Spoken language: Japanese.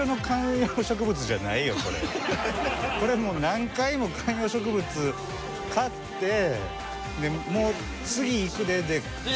これもう何回も観葉植物買ってもう「次いくで」で最後これやって。